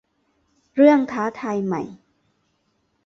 เรื่องท้าทายใหม่